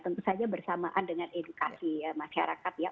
tentu saja bersamaan dengan edukasi ya masyarakat ya